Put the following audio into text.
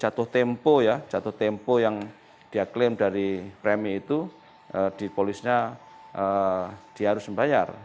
jatuh tempo ya jatuh tempo yang dia klaim dari premi itu dipolisnya dia harus membayar